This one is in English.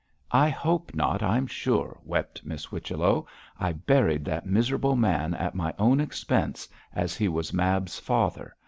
'I hope not, I'm sure,' wept Miss Whichello.' I buried that miserable man at my own expense, as he was Mab's father.